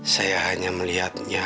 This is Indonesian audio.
saya hanya melihatnya